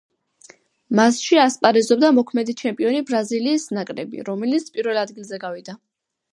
მასში ასპარეზობდა მოქმედი ჩემპიონი ბრაზილიის ნაკრები, რომელიც პირველ ადგილზე გავიდა.